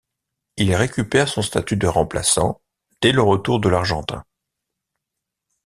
Il récupère son statut de remplaçant dès le retour de l'Argentin.